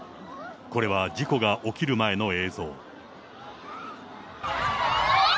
これは事故が起きる前の映像。